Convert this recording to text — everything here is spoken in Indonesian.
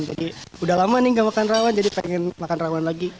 jadi udah lama nih gak makan rawon jadi pengen makan rawon lagi